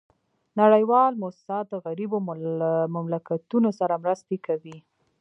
نړیوال موسسات د غریبو مملکتونو سره مرستي کوي